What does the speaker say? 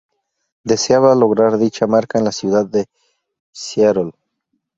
Deseaba lograr dicha marca en la ciudad de St.